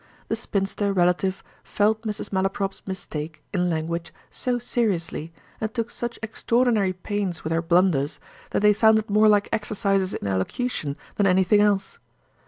The spinster relative felt Mrs. Malaprop's mistakes in language so seriously, and took such extraordinary pains with her blunders, that they sounded more like exercises in elocution than anything else.